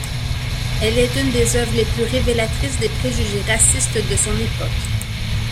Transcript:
Elle est une des œuvres les plus révélatrices des préjugés racistes de son époque.